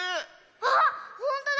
あっほんとだ！